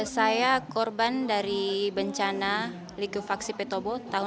saya korban dari bencana liku faksi petobo tahun dua ribu delapan belas